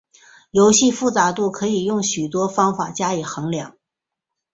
游戏复杂度可以用许多方法加以衡量。